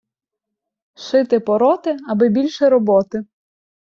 Шити-пороти, аби більше роботи.